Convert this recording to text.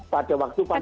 pada waktu pandemi